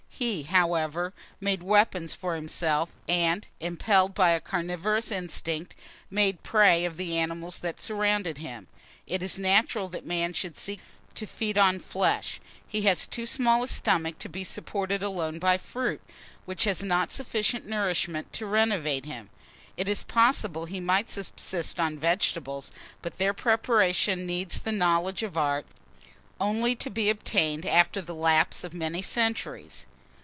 He, however, made weapons for himself, and, impelled by a carnivorous instinct, made prey of the animals that surrounded him. It is natural that man should seek to feed on flesh; he has too small a stomach to be supported alone by fruit, which has not sufficient nourishment to renovate him. It is possible he might subsist on vegetables; but their preparation needs the knowledge of art, only to be obtained after the lapse of many centuries.